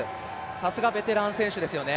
さすがベテラン選手ですよね。